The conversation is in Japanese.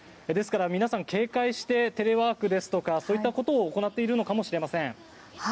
ですから皆さん警戒してテレワークですとかそういったことを行っているのかもしれません。